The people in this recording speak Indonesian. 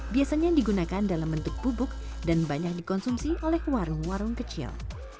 biasanya digunakan dalam bentuk bubuk dan banyak dikonsumsi oleh warung warung kecil